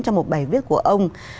trong một bài viết của ông